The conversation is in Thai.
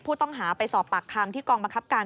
ผู้ต้องหาไปสอบปากคำที่กองบังคับการ